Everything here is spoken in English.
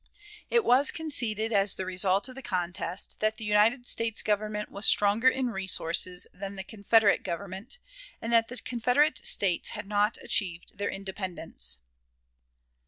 It was conceded, as the result of the contest, that the United States Government was stronger in resources than the Confederate Government, and that the Confederate States had not achieved their independence.